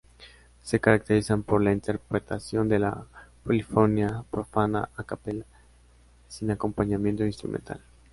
Se caracterizan por la interpretación de la polifonía profana a capella, sin acompañamiento instrumental.